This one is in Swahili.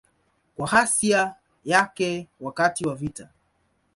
Kwa ghasia yake wakati wa vita.